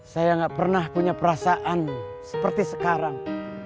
saya gak pernah punya perasaan seperti sekarang